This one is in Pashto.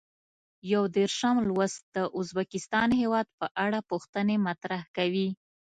یو دېرشم لوست د ازبکستان هېواد په اړه پوښتنې مطرح کوي.